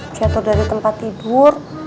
jatuh dari tempat tidur